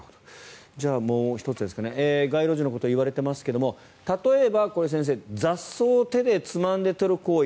じゃあ、もう１つ街路樹のことが言われていますが例えば先生雑草を手でつまんで取る行為。